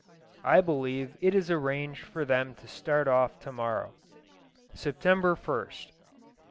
I believe it is arranged for them to start off tomorrow. September 1st.